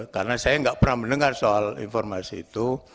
karena saya enggak pernah mendengar soal informasi itu